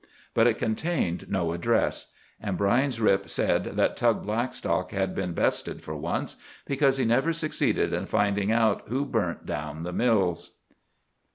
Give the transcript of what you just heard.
But it contained no address. And Brine's Rip said that Tug Blackstock had been bested for once, because he never succeeded in finding out who burnt down the mills.